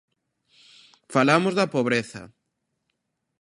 Falamos da pobreza.